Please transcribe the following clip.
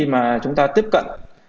để chúng ta tiếp cận